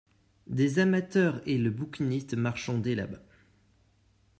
Des amateurs et le bouquiniste marchandaient là.